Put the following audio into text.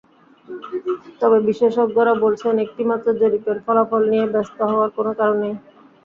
তবে বিশেষজ্ঞরা বলছেন, একটি মাত্র জরিপের ফলাফল নিয়ে ব্যস্ত হওয়ার কোনো কারণ নেই।